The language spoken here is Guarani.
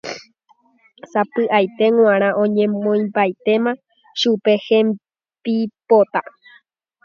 Sapy'aitépe g̃uarã oñemoĩmbaitéma chupe hembipota.